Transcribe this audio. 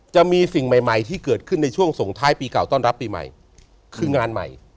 จะมีสิ่งใหม่ที่เกิดขึ้นในช่วงส่งท้ายปีเก่าต้อนรับปีใหม่คืองานใหม่